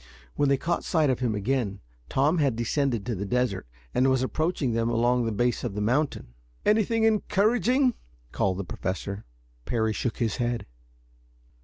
When they caught sight of him again Tom had descended to the desert, and was approaching them along the base of the mountain. "Anything encouraging?" called the Professor. Parry shook his head.